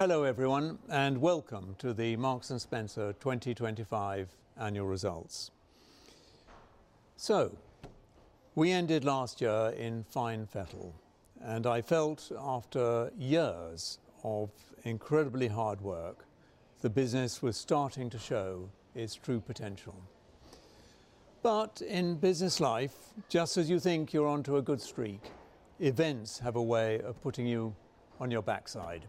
Hello, everyone, and welcome to the Marks & Spencer 2025 annual results. We ended last year in fine fettle, and I felt, after years of incredibly hard work, the business was starting to show its true potential. In business life, just as you think you're onto a good streak, events have a way of putting you on your backside.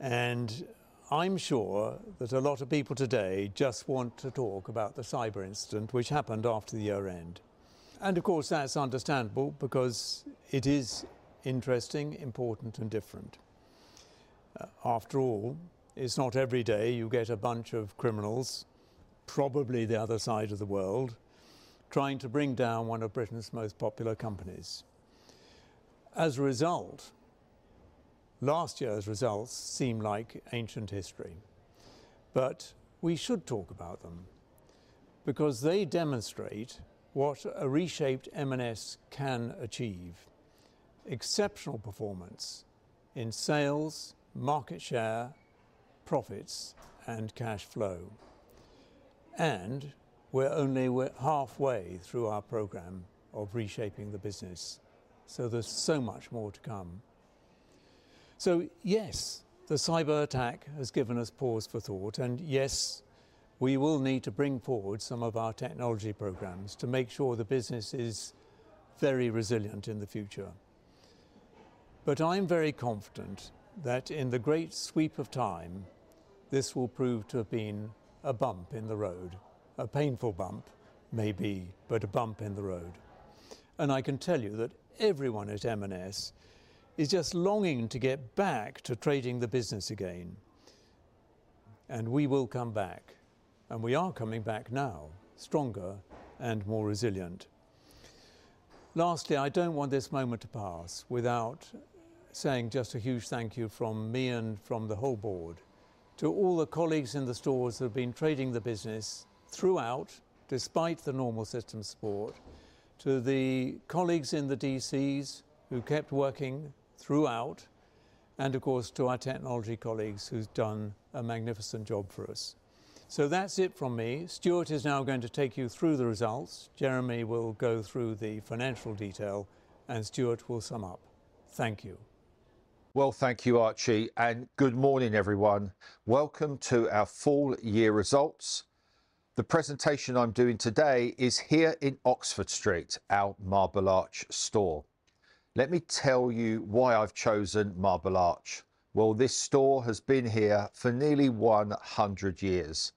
I'm sure that a lot of people today just want to talk about the cyber incident which happened after the year-end. Of course, that's understandable, because it is interesting, important, and different. After all, it's not every day you get a bunch of criminals, probably the other side of the world, trying to bring down one of Britain's most popular companies. As a result, last year's results seem like ancient history. We should talk about them, because they demonstrate what a reshaped M&S can achieve: exceptional performance in sales, market share, profits, and cash flow. We're only halfway through our program of reshaping the business, so there's so much more to come. Yes, the cyber attack has given us pause for thought, and yes, we will need to bring forward some of our technology programs to make sure the business is very resilient in the future. I'm very confident that in the great sweep of time, this will prove to have been a bump in the road. A painful bump, maybe, but a bump in the road. I can tell you that everyone at M&S is just longing to get back to trading the business again. We will come back, and we are coming back now, stronger and more resilient. Lastly, I do not want this moment to pass without saying just a huge thank you from me and from the whole board, to all the colleagues in the stores who have been trading the business throughout, despite the normal system support, to the colleagues in the DCs who kept working throughout, and of course, to our technology colleagues who have done a magnificent job for us. That is it from me. Stuart is now going to take you through the results. Jeremy will go through the financial detail, and Stuart will sum up. Thank you. Thank you, Archie, and good morning, everyone. Welcome to our full year results. The presentation I am doing today is here in Oxford Street, our Marble Arch store. Let me tell you why I have chosen Marble Arch. This store has been here for nearly 100 years,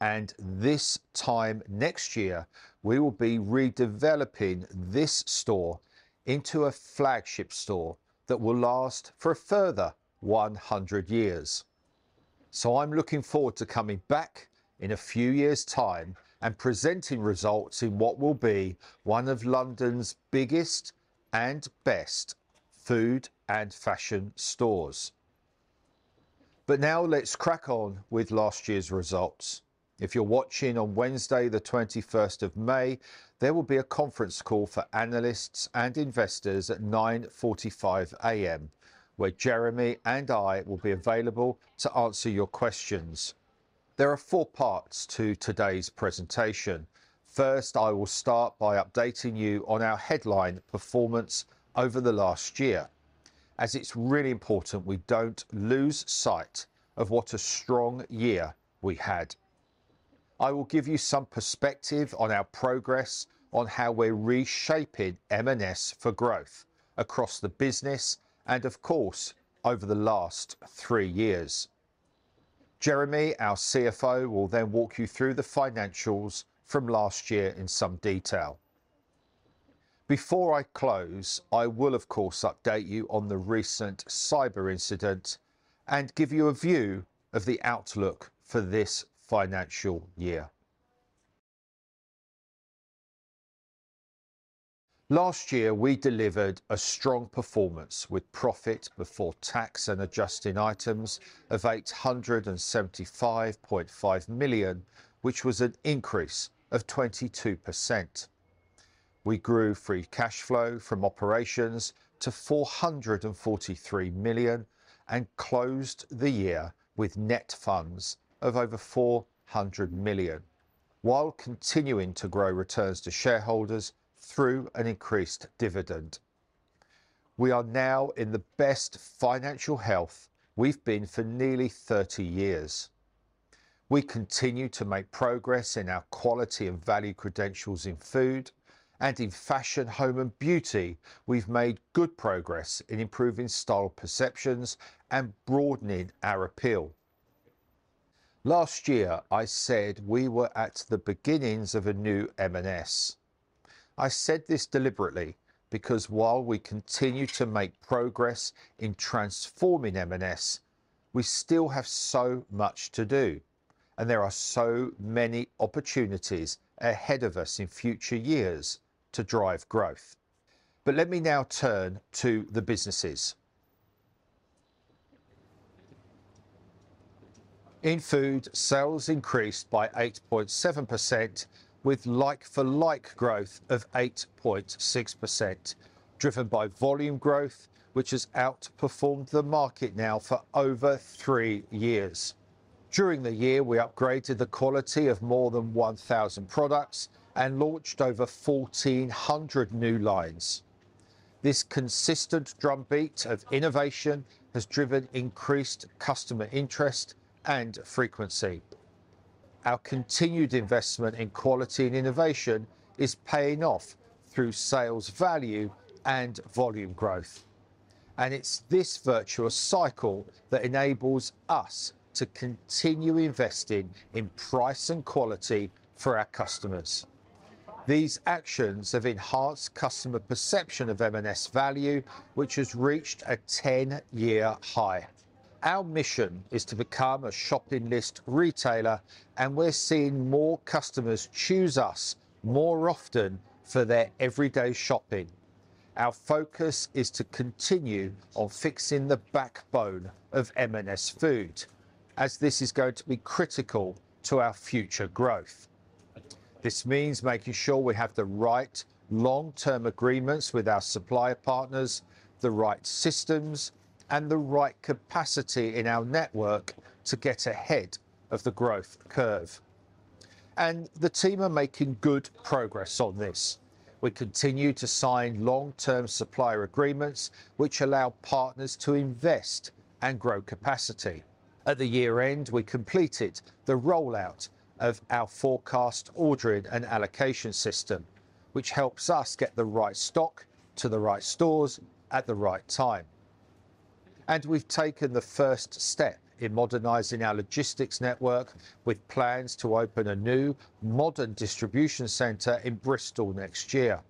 and this time next year, we will be redeveloping this store into a flagship store that will last for a further 100 years. I am looking forward to coming back in a few years' time and presenting results in what will be one of London's biggest and best food and fashion stores. Now let's crack on with last year's results. If you are watching on Wednesday, the 21st of May, there will be a conference call for analysts and investors at 9:45 A.M. where Jeremy and I will be available to answer your questions. There are four parts to today's presentation. First, I will start by updating you on our headline performance over the last year, as it's really important we don't lose sight of what a strong year we had. I will give you some perspective on our progress on how we're reshaping M&S for growth across the business and, of course, over the last three years. Jeremy, our CFO, will then walk you through the financials from last year in some detail. Before I close, I will, of course, update you on the recent cyber incident and give you a view of the outlook for this financial year. Last year, we delivered a strong performance with profit before tax and adjusting items of 875.5 million, which was an increase of 22%. We grew Free Cash Flow from operations to 443 million and closed the year with net funds of over 400 million, while continuing to grow returns to shareholders through an increased dividend. We are now in the best financial health we've been for nearly 30 years. We continue to make progress in our quality and value credentials in food, and in fashion, home, and beauty, we've made good progress in improving style perceptions and broadening our appeal. Last year, I said we were at the beginnings of a new M&S. I said this deliberately because while we continue to make progress in transforming M&S, we still have so much to do, and there are so many opportunities ahead of us in future years to drive growth. Let me now turn to the businesses. In food, sales increased by 8.7%, with like-for-like growth of 8.6%, driven by volume growth, which has outperformed the market now for over three years. During the year, we upgraded the quality of more than 1,000 products and launched over 1,400 new lines. This consistent drumbeat of innovation has driven increased customer interest and frequency. Our continued investment in quality and innovation is paying off through sales value and volume growth. It is this virtuous cycle that enables us to continue investing in price and quality for our customers. These actions have enhanced customer perception of M&S value, which has reached a 10-year high. Our mission is to become a shopping list retailer, and we're seeing more customers choose us more often for their everyday shopping. Our focus is to continue on fixing the backbone of M&S food, as this is going to be critical to our future growth. This means making sure we have the right long-term agreements with our supplier partners, the right systems, and the right capacity in our network to get ahead of the growth curve. The team are making good progress on this. We continue to sign long-term supplier agreements, which allow partners to invest and grow capacity. At the year-end, we completed the rollout of our forecast ordering and allocation system, which helps us get the right stock to the right stores at the right time. We have taken the first step in modernizing our logistics network, with plans to open a new modern distribution center in Bristol next year.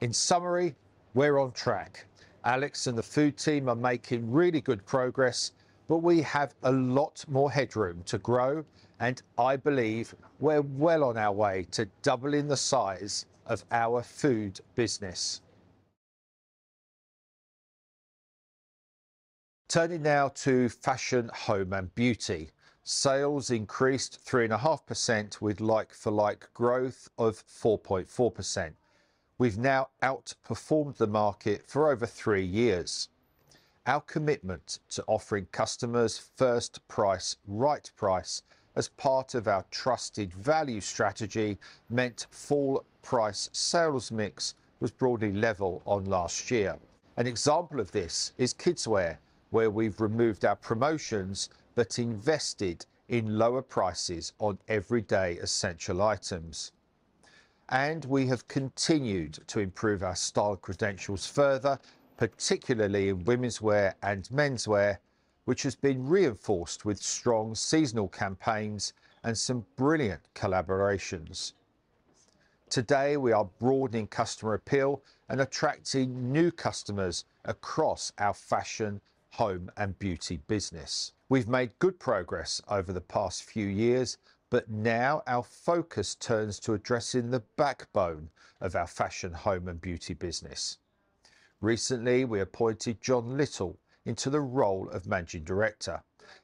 In summary, we're on track. Alex and the food team are making really good progress, but we have a lot more headroom to grow, and I believe we're well on our way to doubling the size of our food business. Turning now to fashion, home, and beauty. Sales increased 3.5%, with like-for-like growth of 4.4%. We've now outperformed the market for over three years. Our commitment to offering customers first price, right price, as part of our trusted value strategy meant full price sales mix was broadly level on last year. An example of this is kidswear, where we've removed our promotions but invested in lower prices on everyday essential items. We have continued to improve our style credentials further, particularly in women's wear and menswear, which has been reinforced with strong seasonal campaigns and some brilliant collaborations. Today, we are broadening customer appeal and attracting new customers across our fashion, home, and beauty business. We've made good progress over the past few years, but now our focus turns to addressing the backbone of our fashion, home, and beauty business. Recently, we appointed John Lyttle into the role of Managing Director,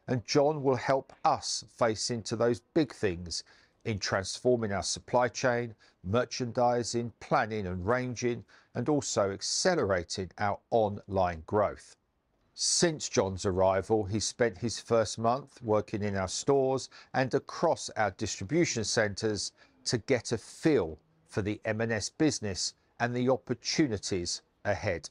and John will help us face into those big things in transforming our supply chain, merchandising, planning and ranging, and also accelerating our online growth. Since John's arrival, he's spent his first month working in our stores and across our distribution centers to get a feel for the M&S business and the opportunities ahead.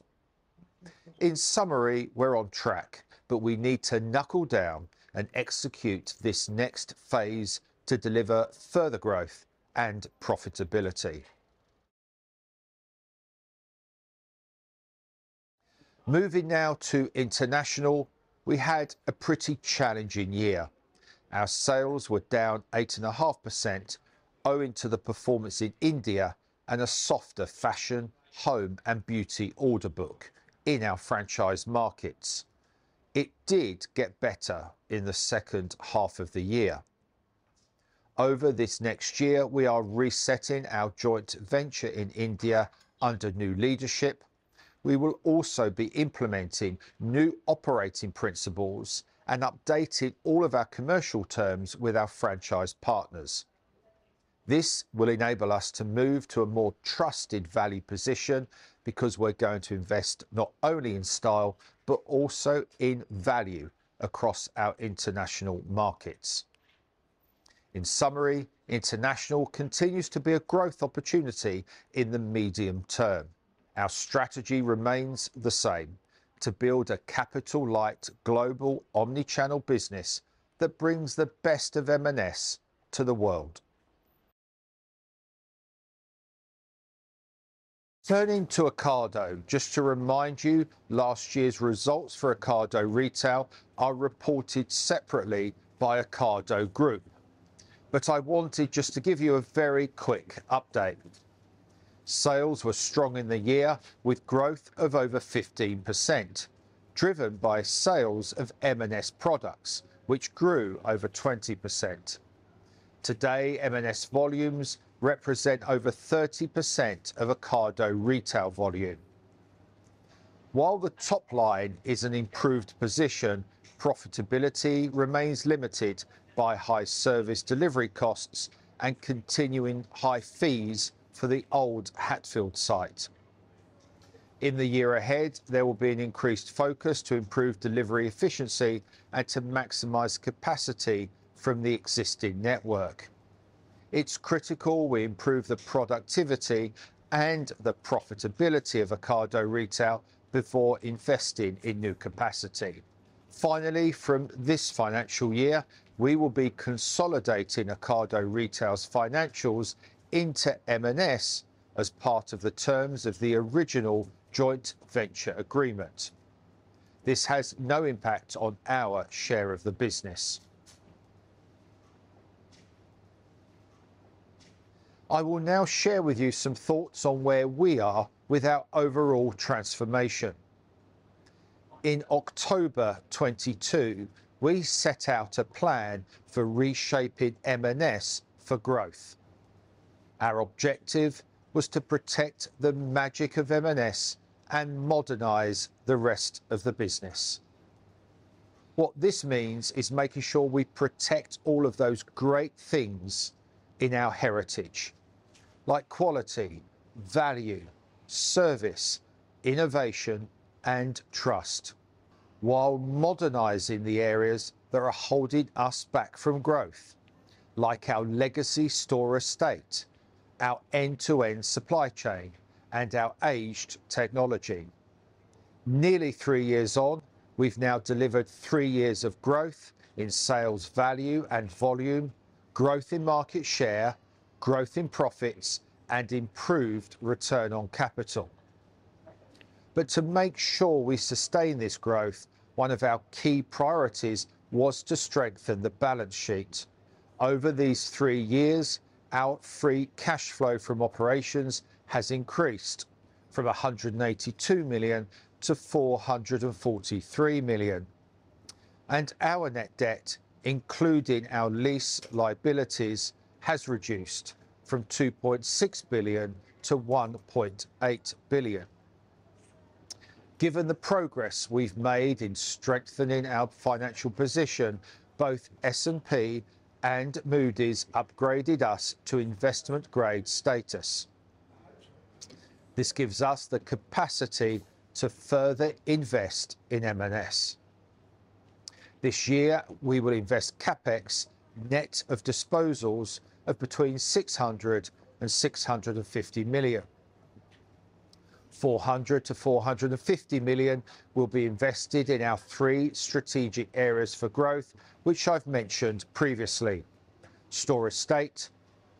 In summary, we're on track, but we need to knuckle down and execute this next phase to deliver further growth and profitability. Moving now to international, we had a pretty challenging year. Our sales were down 8.5%, owing to the performance in India and a softer fashion, home, and beauty order book in our franchise markets. It did get better in the second half of the year. Over this next year, we are resetting our joint venture in India under new leadership. We will also be implementing new operating principles and updating all of our commercial terms with our franchise partners. This will enable us to move to a more trusted value position because we're going to invest not only in style but also in value across our international markets. In summary, international continues to be a growth opportunity in the medium term. Our strategy remains the same: to build a capital-light global omnichannel business that brings the best of M&S to the world. Turning to Ocado, just to remind you, last year's results for Ocado Retail are reported separately by Ocado Group. I wanted just to give you a very quick update. Sales were strong in the year, with growth of over 15%, driven by sales of M&S products, which grew over 20%. Today, M&S volumes represent over 30% of Ocado Retail volume. While the top line is an improved position, profitability remains limited by high service delivery costs and continuing high fees for the old Hatfield site. In the year ahead, there will be an increased focus to improve delivery efficiency and to maximize capacity from the existing network. It is critical we improve the productivity and the profitability of Ocado Retail before investing in new capacity. Finally, from this financial year, we will be consolidating Ocado Retail's financials into M&S as part of the terms of the original joint venture agreement. This has no impact on our share of the business. I will now share with you some thoughts on where we are with our overall transformation. In October 2022, we set out a plan for reshaping M&S for growth. Our objective was to protect the magic of M&S and modernize the rest of the business. What this means is making sure we protect all of those great things in our heritage, like quality, value, service, innovation, and trust, while modernizing the areas that are holding us back from growth, like our legacy store estate, our end-to-end supply chain, and our aged technology. Nearly three years on, we've now delivered three years of growth in sales value and volume, growth in market share, growth in profits, and improved return on capital. To make sure we sustain this growth, one of our key priorities was to strengthen the balance sheet. Over these three years, our Free Cash Flow from operations has increased from 182 million-443 million, and our net debt, including our lease liabilities, has reduced from 2.6 billion-1.8 billion. Given the progress we've made in strengthening our financial position, both S&P and Moody's upgraded us to investment-grade status. This gives us the capacity to further invest in M&S. This year, we will invest CapEx net of disposals of between 600 million-650 million. 400 million-450 million will be invested in our three strategic areas for growth, which I've mentioned previously: store estate,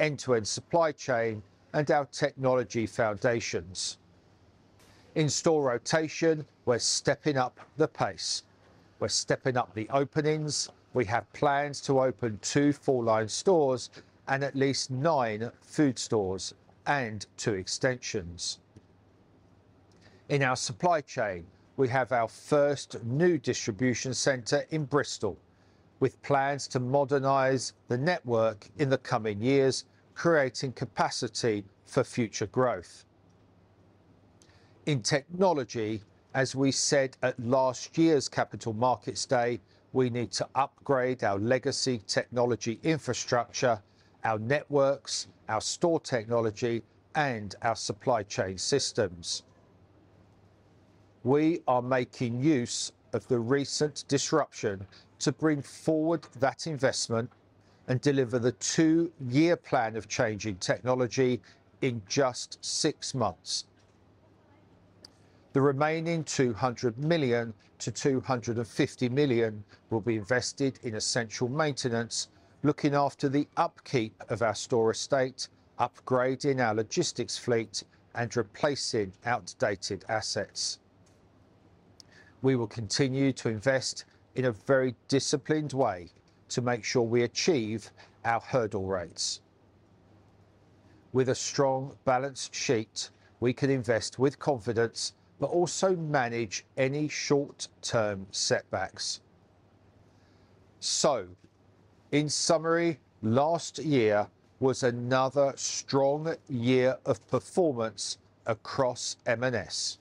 end-to-end supply chain, and our technology foundations. In store rotation, we're stepping up the pace. We're stepping up the openings. We have plans to open two full-line stores and at least nine food stores and two extensions. In our supply chain, we have our first new distribution center in Bristol, with plans to modernize the network in the coming years, creating capacity for future growth. In technology, as we said at last year's Capital Markets Day, we need to upgrade our legacy technology infrastructure, our networks, our store technology, and our supply chain systems. We are making use of the recent disruption to bring forward that investment and deliver the two-year plan of changing technology in just six months. The remaining 200 million-250 million will be invested in essential maintenance, looking after the upkeep of our store estate, upgrading our logistics fleet, and replacing outdated assets. We will continue to invest in a very disciplined way to make sure we achieve our hurdle rates. With a strong balance sheet, we can invest with confidence but also manage any short-term setbacks. In summary, last year was another strong year of performance across M&S.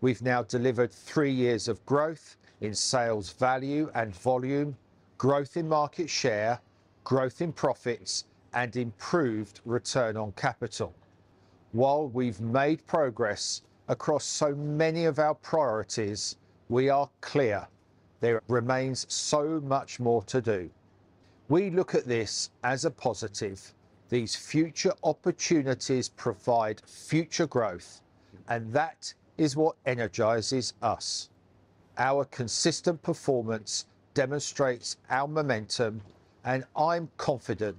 We've now delivered three years of growth in sales value and volume, growth in market share, growth in profits, and improved return on capital. While we've made progress across so many of our priorities, we are clear there remains so much more to do. We look at this as a positive. These future opportunities provide future growth, and that is what energizes us. Our consistent performance demonstrates our momentum, and I'm confident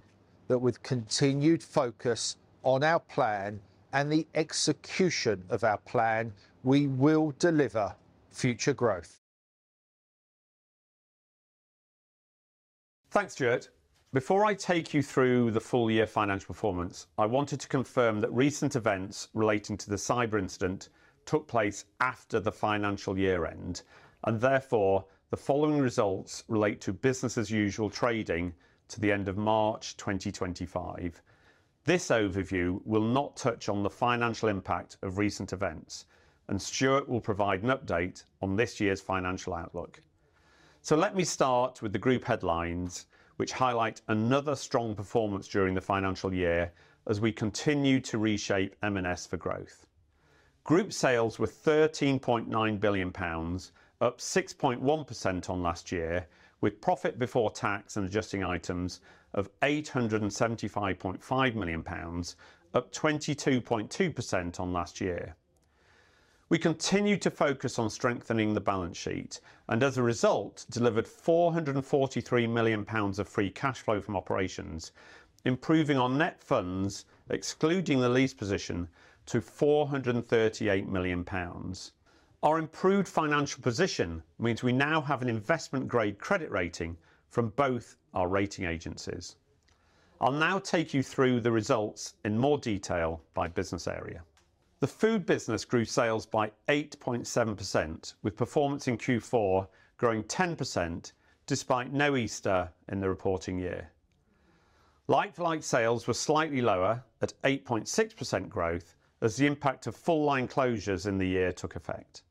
that with continued focus on our plan and the execution of our plan, we will deliver future growth. Thanks, Stuart. Before I take you through the full-year financial performance, I wanted to confirm that recent events relating to the cyber incident took place after the financial year-end, and therefore the following results relate to business-as-usual trading to the end of March 2025. This overview will not touch on the financial impact of recent events, and Stuart will provide an update on this year's financial outlook. Let me start with the group headlines, which highlight another strong performance during the financial year as we continue to reshape M&S for growth. Group sales were GBP 13.9 billion, up 6.1% on last year, with profit before tax and adjusting items of 875.5 million pounds, up 22.2% on last year. We continue to focus on strengthening the balance sheet and, as a result, delivered 443 million pounds of Free Cash Flow from operations, improving our net funds, excluding the lease position, to 438 million pounds. Our improved financial position means we now have an investment-grade credit rating from both our rating agencies. I'll now take you through the results in more detail by business area. The food business grew sales by 8.7%, with performance in Q4 growing 10% despite no Easter in the reporting year. Like-for-like sales were slightly lower at 8.6% growth as the impact of full-line closures in the year took effect.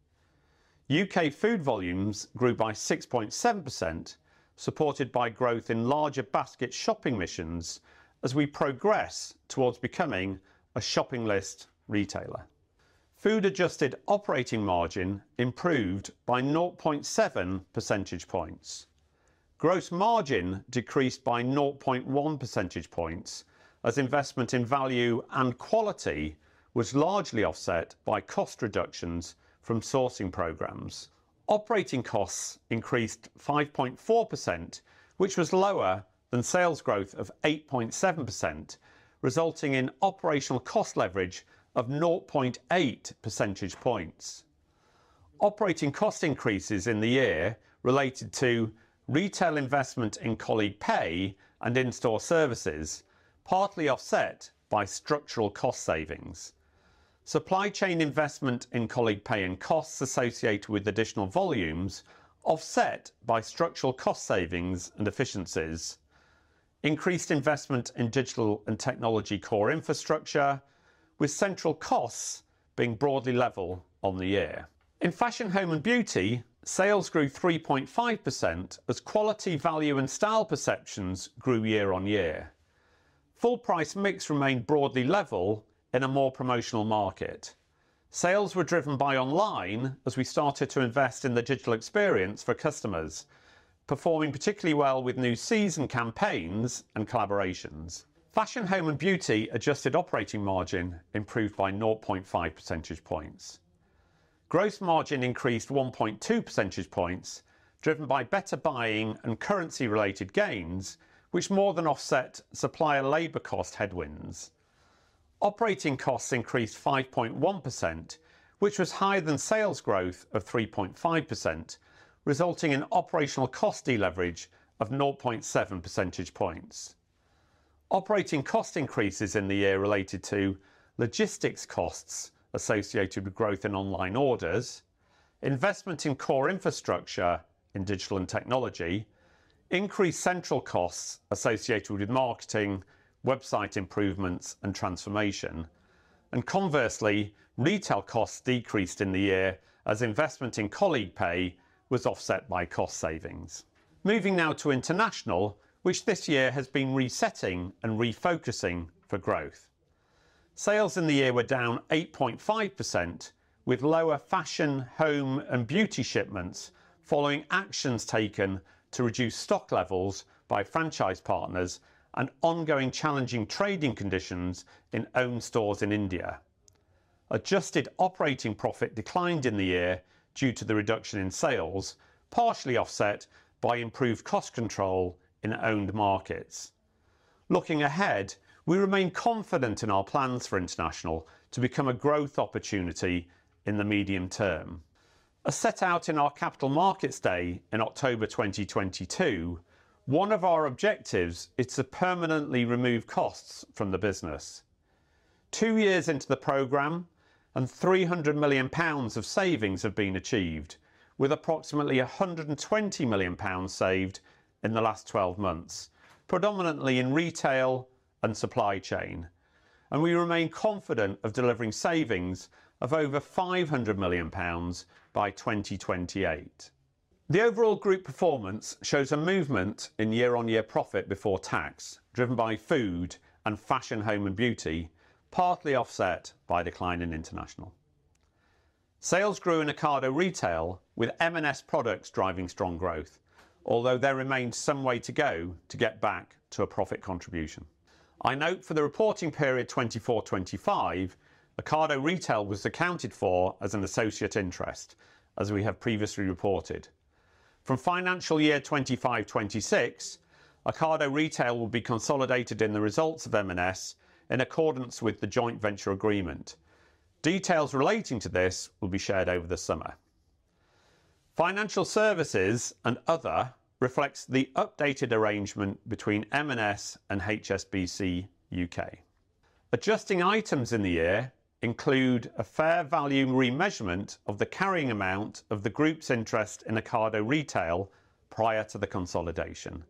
U.K. food volumes grew by 6.7%, supported by growth in larger basket shopping missions as we progress towards becoming a shopping list retailer. Food adjusted operating margin improved by 0.7 percentage points. Gross margin decreased by 0.1 percentage points as investment in value and quality was largely offset by cost reductions from sourcing programs. Operating costs increased 5.4%, which was lower than sales growth of 8.7%, resulting in operational cost leverage of 0.8 percentage points. Operating cost increases in the year related to retail investment in colleague pay and in-store services, partly offset by structural cost savings. Supply chain investment in colleague pay and costs associated with additional volumes offset by structural cost savings and efficiencies. Increased investment in digital and technology core infrastructure, with central costs being broadly level on the year. In fashion, home, and beauty, sales grew 3.5% as quality, value, and style perceptions grew year-on-year. Full-price mix remained broadly level in a more promotional market. Sales were driven by online as we started to invest in the digital experience for customers, performing particularly well with new season campaigns and collaborations. Fashion, home, and beauty adjusted operating margin improved by 0.5 percentage points. Gross margin increased 1.2 percentage points, driven by better buying and currency-related gains, which more than offset supplier labor cost headwinds. Operating costs increased 5.1%, which was higher than sales growth of 3.5%, resulting in operational cost deleverage of 0.7 percentage points. Operating cost increases in the year related to logistics costs associated with growth in online orders, investment in core infrastructure in digital and technology, increased central costs associated with marketing, website improvements, and transformation. Conversely, retail costs decreased in the year as investment in colleague pay was offset by cost savings. Moving now to international, which this year has been resetting and refocusing for growth. Sales in the year were down 8.5%, with lower fashion, home, and beauty shipments following actions taken to reduce stock levels by franchise partners and ongoing challenging trading conditions in owned stores in India. Adjusted operating profit declined in the year due to the reduction in sales, partially offset by improved cost control in owned markets. Looking ahead, we remain confident in our plans for international to become a growth opportunity in the medium term. As set out in our Capital Markets Day in October 2022, one of our objectives is to permanently remove costs from the business. Two years into the program, and 300 million pounds of savings have been achieved, with approximately 120 million pounds saved in the last 12 months, predominantly in retail and supply chain. We remain confident of delivering savings of over 500 million pounds by 2028. The overall group performance shows a movement in year-on-year profit before tax, driven by food and fashion, home, and beauty, partly offset by decline in international. Sales grew in Ocado Retail, with M&S products driving strong growth, although there remained some way to go to get back to a profit contribution. I note for the reporting period 2024-2025, Ocado Retail was accounted for as an associate interest, as we have previously reported. From financial year 2025-2026, Ocado Retail will be consolidated in the results of M&S in accordance with the joint venture agreement. Details relating to this will be shared over the summer. Financial services and other reflects the updated arrangement between M&S and HSBC UK. Adjusting items in the year include a fair value remeasurement of the carrying amount of the group's interest in Ocado Retail prior to the consolidation.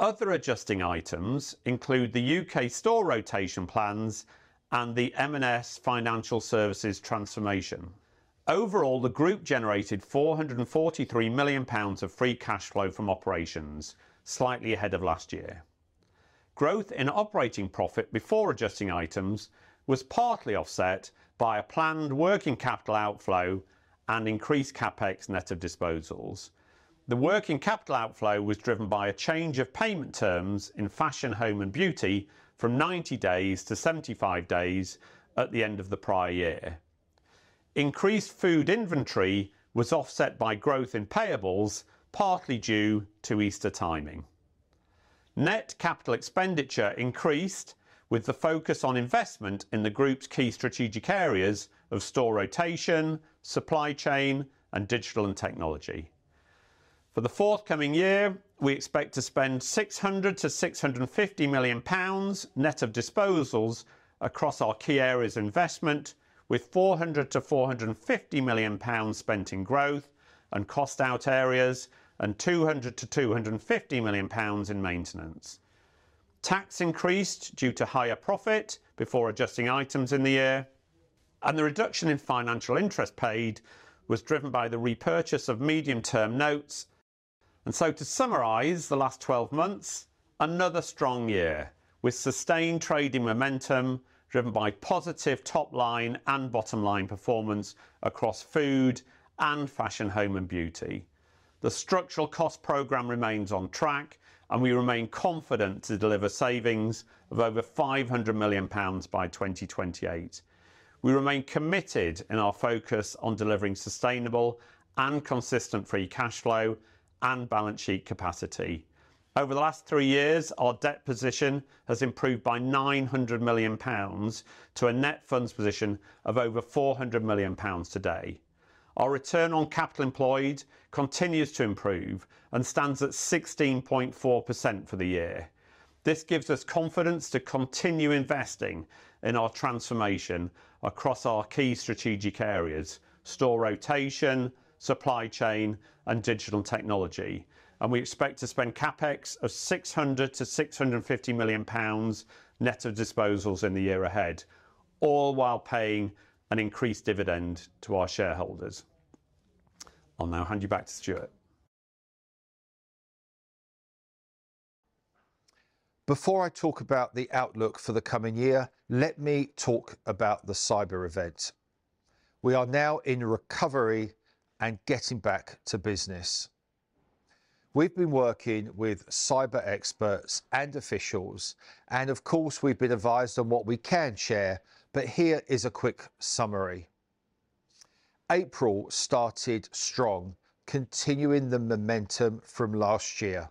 Other adjusting items include the U.K. store rotation plans and the M&S financial services transformation. Overall, the group generated 443 million pounds of Free Cash Flow from operations, slightly ahead of last year. Growth in operating profit before adjusting items was partly offset by a planned working capital outflow and increased CapEx net of disposals. The working capital outflow was driven by a change of payment terms in fashion, home, and beauty from 90 days-75 days at the end of the prior year. Increased food inventory was offset by growth in payables, partly due to Easter timing. Net capital expenditure increased with the focus on investment in the group's key strategic areas of store rotation, supply chain, and digital and technology. For the forthcoming year, we expect to spend 600 million-650 million pounds net of disposals across our key areas of investment, with 400 million-450 million pounds spent in growth and cost-out areas and 200 million-250 million pounds in maintenance. Tax increased due to higher profit before adjusting items in the year, and the reduction in financial interest paid was driven by the repurchase of medium-term notes. To summarize the last 12 months, another strong year with sustained trading momentum driven by positive top-line and bottom-line performance across food and fashion, home, and beauty. The structural cost program remains on track, and we remain confident to deliver savings of over 500 million pounds by 2028. We remain committed in our focus on delivering sustainable and consistent Free Cash Flow and balance sheet capacity. Over the last three years, our debt position has improved by 900 million pounds to a net funds position of over 400 million pounds today. Our return on capital employed continues to improve and stands at 16.4% for the year. This gives us confidence to continue investing in our transformation across our key strategic areas: store rotation, supply chain, and digital technology. We expect to spend CapEx of 600-650 million pounds net of disposals in the year ahead, all while paying an increased dividend to our shareholders. I'll now hand you back to Stuart. Before I talk about the outlook for the coming year, let me talk about the cyber event. We are now in recovery and getting back to business. We've been working with cyber experts and officials, and of course, we've been advised on what we can share, but here is a quick summary. April started strong, continuing the momentum from last year.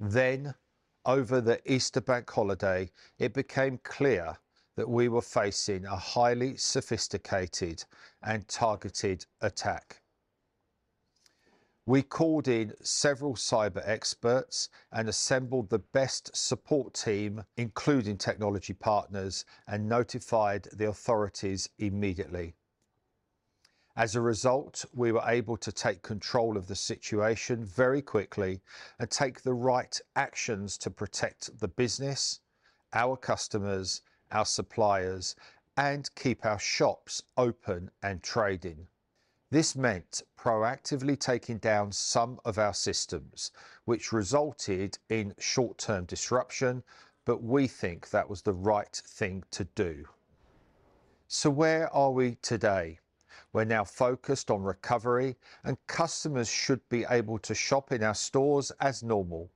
Then, over the Easter bank holiday, it became clear that we were facing a highly sophisticated and targeted attack. We called in several cyber experts and assembled the best support team, including technology partners, and notified the authorities immediately. As a result, we were able to take control of the situation very quickly and take the right actions to protect the business, our customers, our suppliers, and keep our shops open and trading. This meant proactively taking down some of our systems, which resulted in short-term disruption, but we think that was the right thing to do. Where are we today? We're now focused on recovery, and customers should be able to shop in our stores as normal.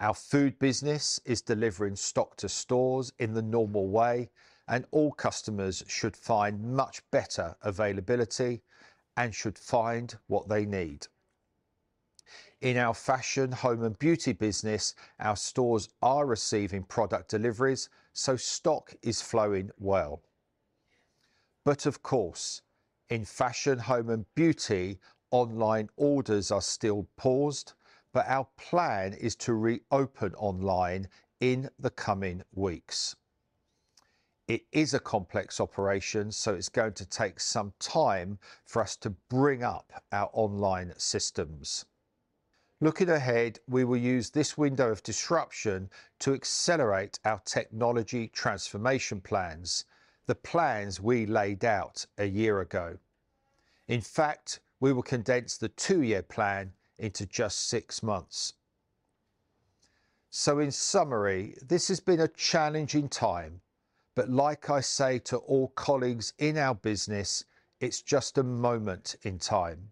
Our food business is delivering stock to stores in the normal way, and all customers should find much better availability and should find what they need. In our fashion, home, and beauty business, our stores are receiving product deliveries, so stock is flowing well. Of course, in fashion, home, and beauty, online orders are still paused, but our plan is to reopen online in the coming weeks. It is a complex operation, so it's going to take some time for us to bring up our online systems. Looking ahead, we will use this window of disruption to accelerate our technology transformation plans, the plans we laid out a year ago. In fact, we will condense the two-year plan into just six months. In summary, this has been a challenging time, but like I say to all colleagues in our business, it's just a moment in time.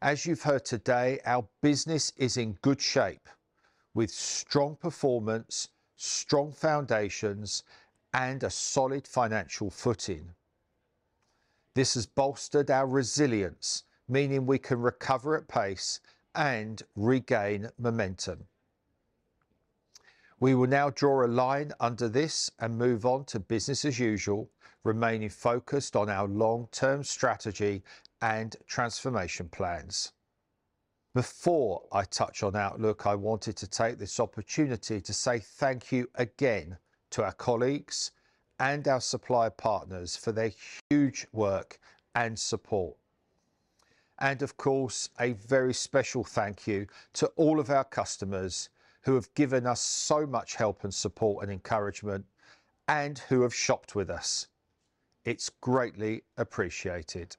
As you've heard today, our business is in good shape, with strong performance, strong foundations, and a solid financial footing. This has bolstered our resilience, meaning we can recover at pace and regain momentum. We will now draw a line under this and move on to business as usual, remaining focused on our long-term strategy and transformation plans. Before I touch on outlook, I wanted to take this opportunity to say thank you again to our colleagues and our supplier partners for their huge work and support. Of course, a very special thank you to all of our customers who have given us so much help and support and encouragement and who have shopped with us. It's greatly appreciated.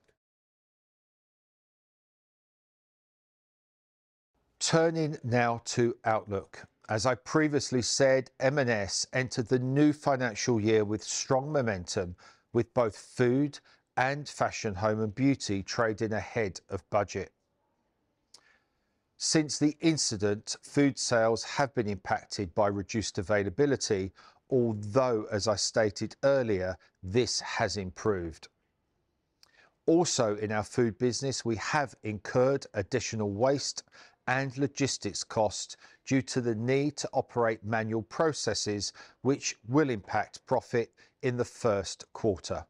Turning now to outlook. As I previously said, M&S entered the new financial year with strong momentum, with both food and fashion, home, and beauty trading ahead of budget. Since the incident, food sales have been impacted by reduced availability, although, as I stated earlier, this has improved. Also in our food business, we have incurred additional waste and logistics costs due to the need to operate manual processes, which will impact profit in the first quarter.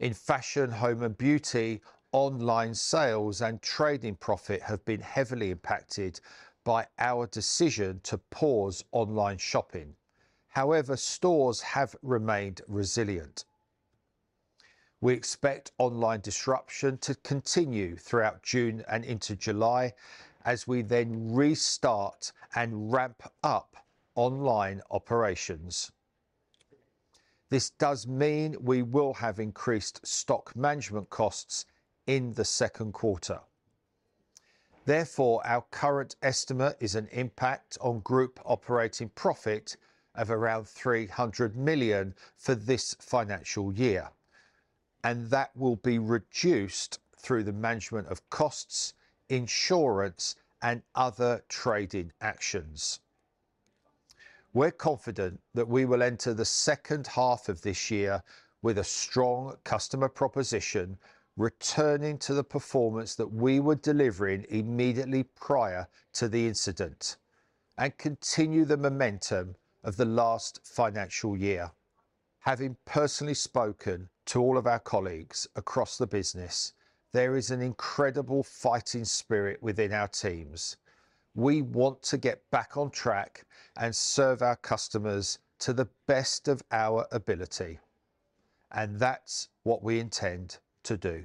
In fashion, home, and beauty, online sales and trading profit have been heavily impacted by our decision to pause online shopping. However, stores have remained resilient. We expect online disruption to continue throughout June and into July as we then restart and ramp up online operations. This does mean we will have increased stock management costs in the second quarter. Therefore, our current estimate is an impact on group operating profit of around 300 million for this financial year, and that will be reduced through the management of costs, insurance, and other trading actions. We're confident that we will enter the second half of this year with a strong customer proposition, returning to the performance that we were delivering immediately prior to the incident, and continue the momentum of the last financial year. Having personally spoken to all of our colleagues across the business, there is an incredible fighting spirit within our teams. We want to get back on track and serve our customers to the best of our ability, and that's what we intend to do.